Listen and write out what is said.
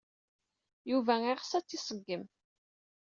Yuba yella yeɣs ad tt-iṣeggem.